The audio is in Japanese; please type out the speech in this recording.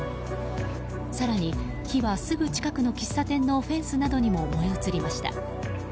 更に火は、すぐ近くの喫茶店のフェンスなどにも燃え移りました。